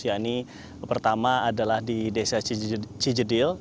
yaitu pertama adalah di desa cijedil